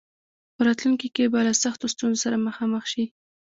په راتلونکي کې به له سختو ستونزو سره مخامخ شي.